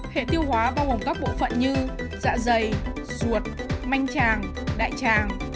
hệ tiêu hóa bao gồm các bộ phận như dạ dày xuột manh tràng đại tràng